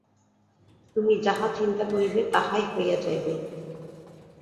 তুমি যাহা চিন্তা করিবে, তাহাই হইয়া যাইবে।